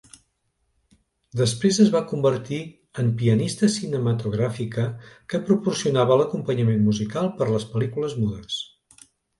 Després es va convertir en pianista cinematogràfica que proporcionava l'acompanyament musical per a les pel·lícules mudes.